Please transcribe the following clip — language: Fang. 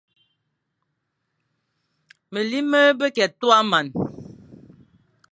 Meli ma be tua man,